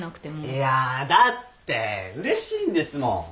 いやだってうれしいんですもん。